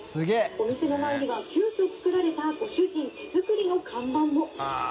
お店の前には急きょ作られた桓膺手作りの看板も。